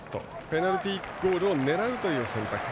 ペナルティーゴールを狙う選択。